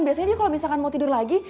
biasanya dia kalau misalkan mau tidur lagi